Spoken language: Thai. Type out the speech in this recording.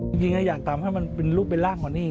จริงอยากทำให้มันเป็นรูปเป็นร่างของนี่